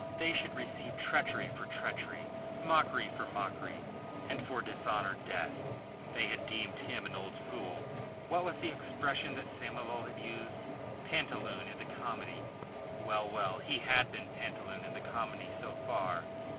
They should receive treachery for treachery, mockery for mockery, and for dishonour death. They had deemed him an old fool! What was the expression that Samoval had used Pantaloon in the comedy? Well, well! He had been Pantaloon in the comedy so far.